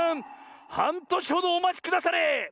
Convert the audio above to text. はんとしほどおまちくだされ！